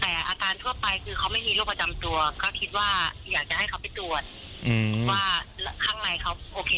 แต่อาการทั่วไปคือเขาไม่มีโรคประจำตัวก็คิดว่าอยากจะให้เขาไปตรวจว่าข้างในเขาโอเค